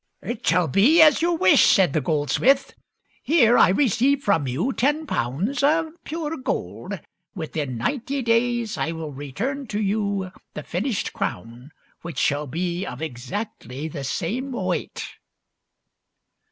" It shall be as you wish," said the goldsmith. " Here I receive from you ten pounds of pure gold ; within ninety days I will return to you the finished crown which shall be of exactly the same weight."